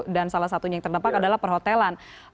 dan salah satunya yang terdampak adalah perhotelan